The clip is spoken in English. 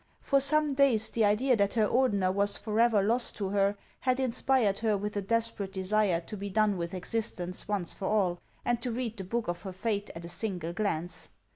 For some days, the idea that her Ordener was forever lost to her had inspired her with a desperate desire to be done with existence once for all, and to read the book of her fate at a single glance.